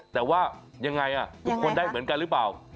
แต่ว่ายังไงทุกคนได้เหมือนกันหรือเปล่า